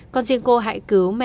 con xin cô hãy cứu mẹ